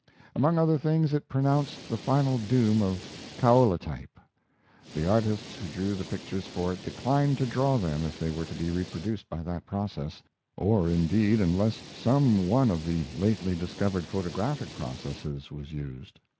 Among other things, it pronounced the final doom of kaolatype. The artists who drew the pictures for it declined to draw them if they were to be reproduced by that process, or indeed unless some one of the lately discovered photographic processes was used.